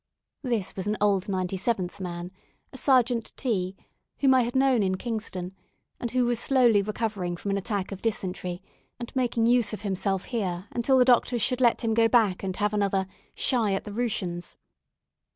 This was an old 97th man a Sergeant T , whom I had known in Kingston, and who was slowly recovering from an attack of dysentery, and making himself of use here until the doctors should let him go back and have another "shy at the Rooshians."